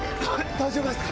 大丈夫です。